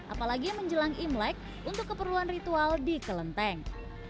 apalagi menjelang imlek untuk keperluan ritual di kelenteng